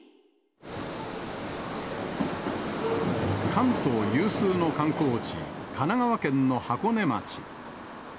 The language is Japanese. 関東有数の観光地、神奈川県の箱根町。